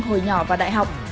hồi nhỏ và đại học